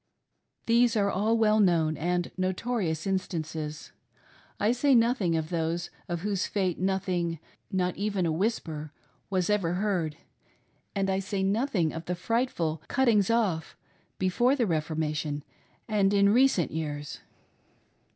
These were a,ll well known and notorious instances. I say nothing of those of whose fate nothing — not even a whisper — was ever heard ; and I say nothing of the frightful " cut tings off" before the Reformation and in recent years.